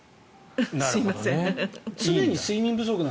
すいません。